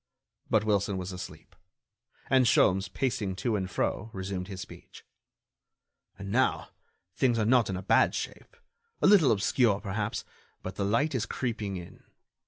But Wilson was asleep; and Sholmes, pacing to and fro, resumed his speech: "And, now, things are not in a bad shape; a little obscure, perhaps, but the light is creeping in.